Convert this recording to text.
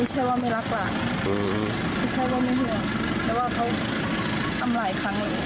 ไม่ใช่ว่าไม่รักหลานไม่ใช่ว่าไม่ห่วงแต่ว่าเขาทำหลายครั้งเลย